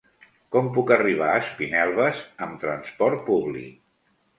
Com puc arribar a Espinelves amb trasport públic?